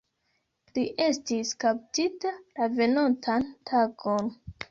Li estis kaptita la venontan tagon.